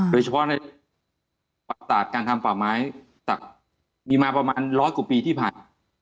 โดยเฉพาะในประกาศการทำป่าไม้ตักมีมาประมาณร้อยกว่าปีที่ผ่านมา